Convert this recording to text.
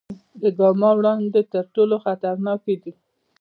د ګاما وړانګې تر ټولو خطرناکې دي.